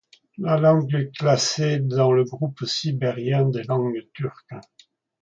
La langue est classée dans le groupe sibérien des langues turques.